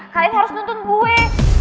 kalian harus nuntun gue